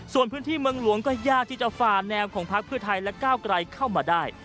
ส่วนพื้นที่เมืองหลวงก็ยากที่จะฝ่าแนวของพักเพื่อไทยและก้าวไกลเข้ามาได้